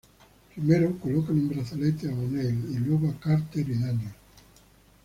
Primero colocan un brazalete a O'Neill y luego a Carter y Daniel.